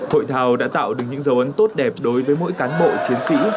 hội thảo đã tạo được những dấu ấn tốt đẹp đối với mỗi cán bộ chiến sĩ